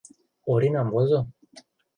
Оринам возо.